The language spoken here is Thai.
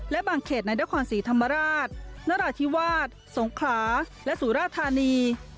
และบางเขตในนครศรีธรรมราชนราธิวาสสงขลาและสุราธานี